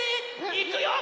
いくよ！